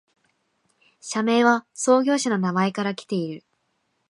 社名は創業者の名前からきている